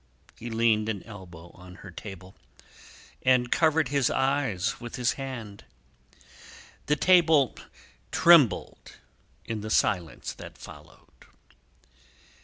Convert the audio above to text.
He leaned an elbow on her table, and covered his eyes with his hand. The table trembled in the silence that followed.